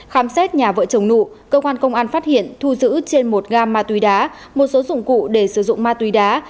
khám xét nhà vợ chồng nụ cơ quan công an phát hiện thu giữ trên một gam ma túy đá một số dụng cụ để sử dụng ma túy đá